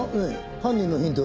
犯人のヒント